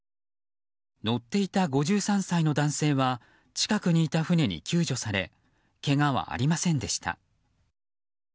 乗っていた５３歳の男性は近くにいた船に救助されけがはありませんでした。